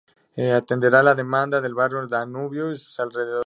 Atenderá la demanda del barrio Danubio y sus alrededores.